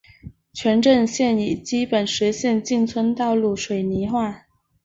全镇现已基本实现进村道路水泥化。